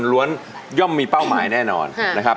ล้วนย่อมมีเป้าหมายแน่นอนนะครับ